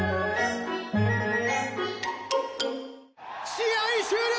試合終了！